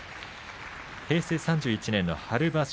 平成３１年の春場所